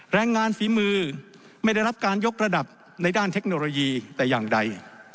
แรงงานฝีมือไม่ได้รับการยกระดับในด้านเทคโนโลยีแต่อย่างใด